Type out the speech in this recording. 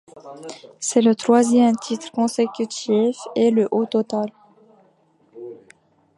C’est le troisième titre consécutif et le au total.